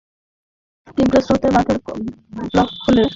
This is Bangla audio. তীব্র স্রোতে বাঁধের ব্লক খুলে নদীতে চলে যাওয়ায় ওপরের অংশ খসে পড়ছে।